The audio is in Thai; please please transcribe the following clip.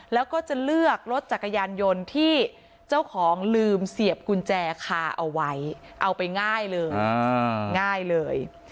แล้วก็จะเลือกรถจักรยานยนต์ที่เจ้าของลืมเสียบกุญแจคาเอาไว้เอาไปง่ายเลยง่ายเลย